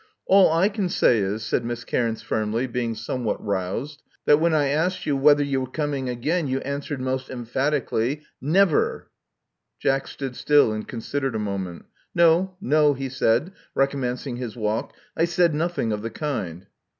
A11 I can say is," said Miss Cairns, firmly, being somewhat roused, "that when I asked you whether you 124 Love Among the Artists were coming again, you answered most emphatically, *Never!' " Jack stood still and considered a moment. ''No, no," he said, recommencing his walk, I said nothing of the kind."